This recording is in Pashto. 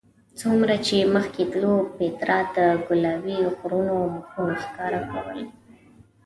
څومره چې مخکې تلو پیترا د ګلابي غرونو مخونه ښکاره کول.